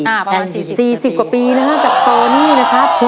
ประมาณ๔๐กว่าปีนะครับซอร์นี่นะครับประมาณ๔๐กว่าปี